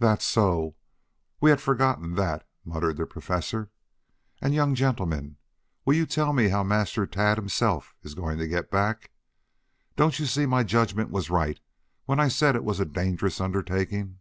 "That's so. We had forgotten that," muttered the Professor. "And young gentlemen, will you tell me how Master Tad himself is going to get back? Don't you see my judgment was right when I said it was a dangerous undertaking?"